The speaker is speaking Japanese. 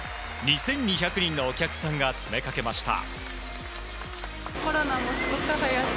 ２２００人のお客さんが詰めかけました。